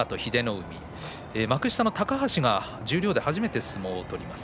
幕下の高橋が十両で初めて相撲を取ります。